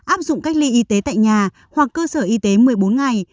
áp dụng cách ly y tế tại nhà hoặc cơ sở y tế một mươi bốn ngày